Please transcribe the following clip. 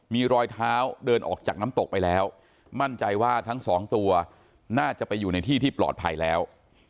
มีรอยเท้าเดินออกจากน้ำตกไปแล้วมั่นใจว่าทั้งสองตัวน่าจะไปอยู่ในที่ที่ปลอดภัยแล้ว